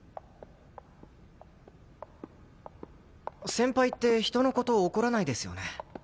先輩って人の事怒らないですよね。